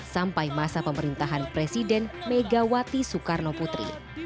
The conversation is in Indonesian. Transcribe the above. sampai masa pemerintahan presiden megawati soekarno putri